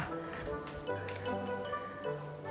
tidak ada yang nampak